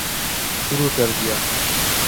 شروع کردیا